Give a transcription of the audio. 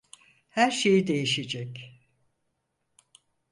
Her şey değişecek.